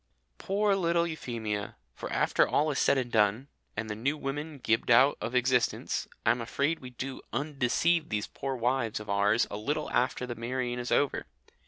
Poor little Euphemia! For after all is said and done, and the New Woman gibed out of existence, I am afraid we do undeceive these poor wives of ours a little after the marrying is over.